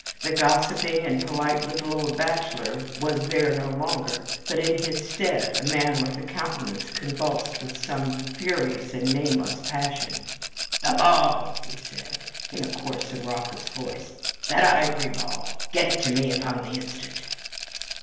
The gossiping and polite little old bachelor was there no longer, but in his stead a man with a countenance convulsed with some furious and nameless passion. "That ball!" he cried, in a hoarse and raucous voice. "That ivory ball! Give it to me upon the instant!"